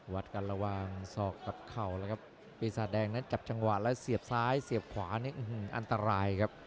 วัดกันระหว่างศอกกับเข่าแล้วครับปีศาจแดงนั้นจับจังหวะแล้วเสียบซ้ายเสียบขวานี่อันตรายครับ